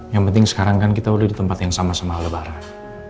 yang penting sekarang kan kita udah di tempat yang sama sama lebaran